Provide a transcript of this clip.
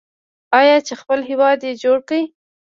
آیا چې خپل هیواد یې جوړ کړ؟